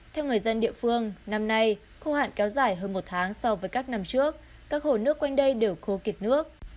theo người dân địa phương năm nay khô hạn kéo dài hơn một tháng so với các năm trước các hồ nước quanh đây đều khô kiệt nước